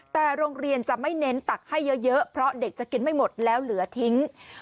แต่โรงเรียนจะไม่เน้นตักให้เยอะเพราะเด็กจะกินไม่หมดแล้วเหลือทิ้ง